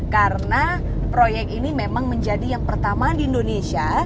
karena proyek ini memang menjadi yang pertama di indonesia